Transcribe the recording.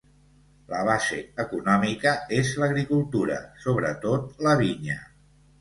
La base econòmica és l'agricultura, sobretot la vinya.